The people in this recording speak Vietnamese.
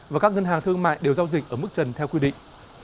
và các ngân hàng thương mại đều giao dịch ở mức trần theo quy định